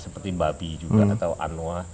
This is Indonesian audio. seperti babi juga atau anoa